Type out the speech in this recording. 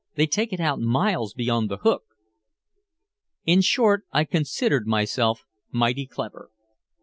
"They take it out miles beyond the Hook!" In short, I considered myself mighty clever.